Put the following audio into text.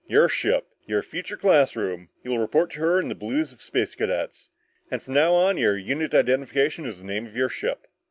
Your ship. Your future classroom. You'll report to her in the blues of the Space Cadets! And from now on your unit identification is the name of your ship!